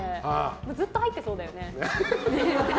ずっと入ってそうだよね。